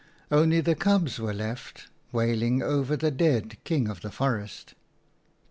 " Only the cubs were left wailing over the dead King of the Forest."